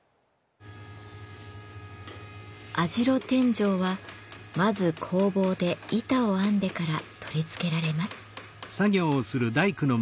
網代天井はまず工房で板を編んでから取り付けられます。